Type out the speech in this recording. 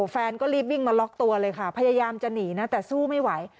แฟนก็รีบวิ่งมาล็อกตัวเลยค่ะพยายามจะหนีนะแต่สู้ไม่ไหว